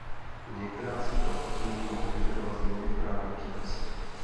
Některá z těchto opatření mohou vyžadovat změny v právních předpisech.